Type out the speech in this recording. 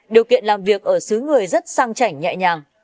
điều kiện làm việc ở xứ người rất sang chảnh nhẹ nhàng